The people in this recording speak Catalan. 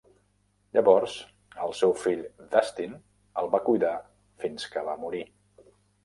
Llavors, el seu fill Dustin el va cuidar fins que va morir.